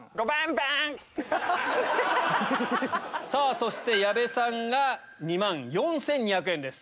そして矢部さんが２万４２００円です。